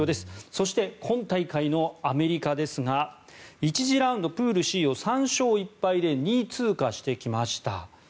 そして、今大会のアメリカですが１次ラウンド、プールＣを３勝１敗で２位通過してきました。